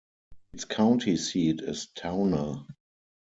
Its county seat is Towner.